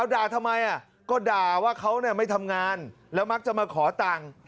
ด่าทำไมก็ด่าว่าเขาไม่ทำงานแล้วมักจะมาขอตังค์